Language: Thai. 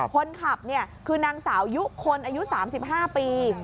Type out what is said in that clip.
คนขับคือนางสาวยุคนอายุ๓๕ปี